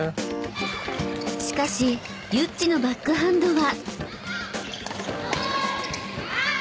［しかしユッチのバックハンドは］